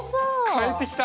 変えてきた。